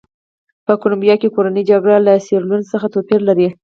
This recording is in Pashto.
په کولمبیا کې کورنۍ جګړه له سیریلیون څخه توپیر لري.